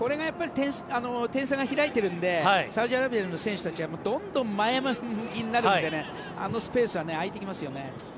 やっぱり点差が開いているのでサウジアラビアの選手たちはどんどん前のめりになるのであのスペースは空いてきますよね。